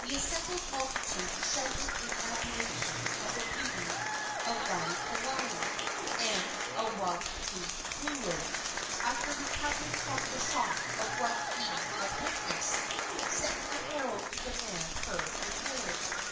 The assembled multitude shouted in admiration of the beauty of Laieikawai, and Aiwohikupua, after recovering from the shock of what he had witnessed, sent a herald to demand her in marriage.